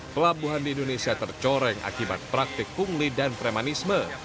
pelabuhan di indonesia tercoreng akibat praktik pungli dan premanisme